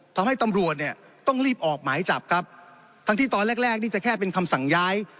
ทำให้ตำรวจต้องรีบออกหมายจับทั้งที่ตอนแรกนี่จะแค่เป็นคำสั่งย้าย